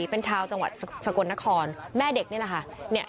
เป็นชาวจังหวัดสกลนครแม่เด็กนี่แหละค่ะ